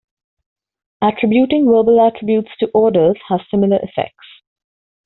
Attributing verbal attributes to odors has similar effects.